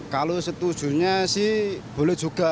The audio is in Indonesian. kalau setujunya sih boleh juga